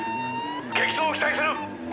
「激走を期待する！